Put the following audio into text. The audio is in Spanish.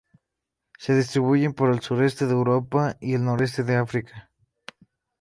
Se distribuyen por el suroeste de Europa y el noroeste de África.